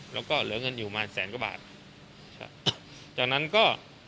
แล้วก็เหลือเงินอยู่ประมาณ๑๐๐๐กว่าบาทจากนั้นก็